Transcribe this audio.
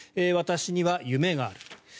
私には夢がある。